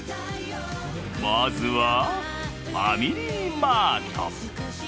まずは、ファミリーマート。